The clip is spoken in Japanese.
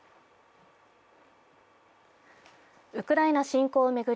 ウクライナ侵攻を巡り